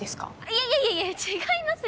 いやいやいやいや違いますよ。